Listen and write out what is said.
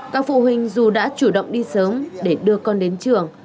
các phụ huynh dù đã chủ động đi sớm để đưa con đến trường